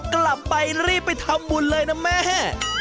กลับไปรีบไปทำบุญเลยนะแม่